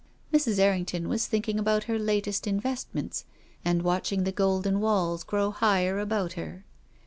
Mrs. Errington was thinking about her latest in vestments and watching the golden walls grow higher about her.